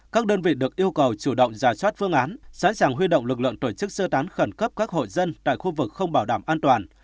các đơn vị được yêu cầu chủ động giả soát phương án sẵn sàng huy động lực lượng tổ chức sơ tán khẩn cấp các hội dân tại khu vực không bảo đảm an toàn